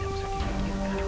tidak bisa diinginkan